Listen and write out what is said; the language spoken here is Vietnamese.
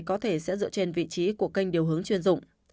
có thể sẽ dựa trên vị trí của kênh điều hướng chuyên dụng